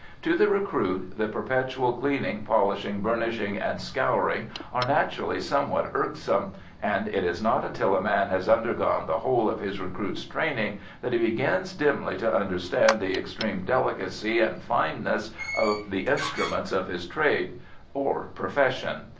To the recruit the perpetual cleaning, polishing, burnishing, and scouring are naturally somewhat irksome; and it is not until a man has undergone the whole of his recruits' training that he begins dimly to understand the extreme delicacy and fineness of the instruments of his trade or profession.